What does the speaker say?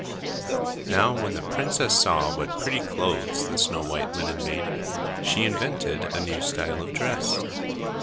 Now when the princess saw what pretty clothes the snow white linen made, she invented a new style of dress.